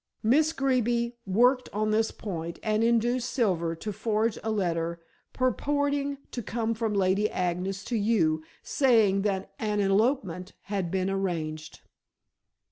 Miss Greeby worked on this point and induced Silver to forge a letter purporting to come from Lady Agnes to you saying that an elopement had been arranged."